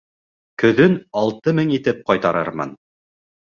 Көҙөн алты мең итеп ҡайтарырмын.